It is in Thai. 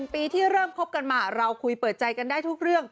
๑ปีที่เริ่มคบกันมาเราคุยเปิดใจกันได้ทุกเรื่อง